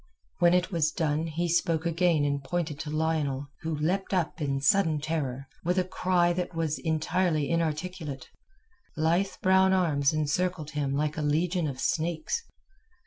When it was done he spoke again and pointed to Lionel, who leapt up in sudden terror, with a cry that was entirely inarticulate. Lithe brown arms encircled him like a legion of snakes.